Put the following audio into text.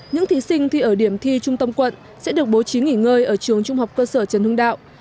những thí sinh thi ở điểm thi trung tâm quận sẽ được bố trí nghỉ ngơi ở trường trung học cơ sở trần hưng đạo